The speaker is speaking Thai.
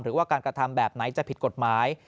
หรือว่าการกระทำแบบไหนจะผิดกฎหมาย